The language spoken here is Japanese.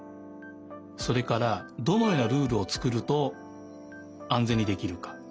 それからどのようなルールをつくるとあんぜんにできるか。